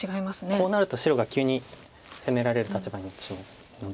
こうなると白が急に攻められる立場になってしまうので。